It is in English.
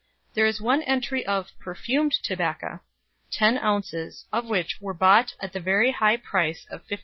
There is one entry of "perfumed Tobacka," 10 oz. of which were bought at the very high price of 15s.